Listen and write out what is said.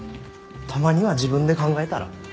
たまには自分で考えたら？